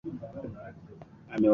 Amewasili vyema.